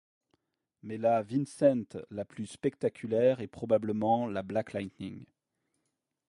Mais la Vincent la plus spectaculaire est probablement la Black Lightning.